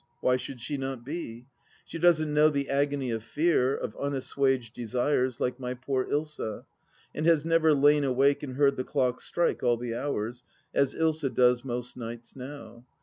Why should she not be ? She doesn't know the agony of fear, of unassuaged desires, like my poor Ilsa, and has never lain awake and heard the clock strike all the hours, as Ilsa does most nights now.